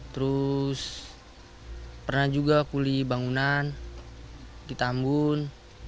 terus pernah juga kuli bangunan ditambun